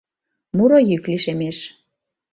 Муро йӱк лишемеш.